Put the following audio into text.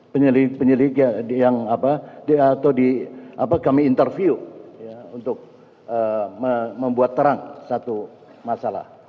penyelidik penyelidik yang apa atau kami interview untuk membuat terang satu masalah